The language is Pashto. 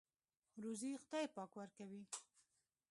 روزۍ خدای پاک ورکوي.